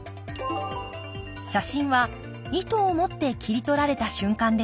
写真は意図を持って切り取られた瞬間です。